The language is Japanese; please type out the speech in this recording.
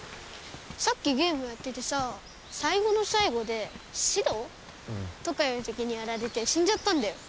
さっきゲームやっててさ最後の最後でシドー？とかいう敵にやられて死んじゃったんだよ。